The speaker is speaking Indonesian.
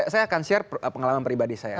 saya pengalaman pribadi saya